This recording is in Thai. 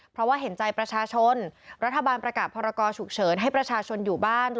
เพราะว่าเห็นใจประชาชนรัฐบาลประกาศพรกรฉุกเฉินให้ประชาชนอยู่บ้าน